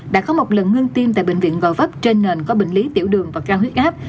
đã có một lần ngưng tim tại bệnh viện gò vấp trên nền có bệnh lý tiểu đường và cao huyết áp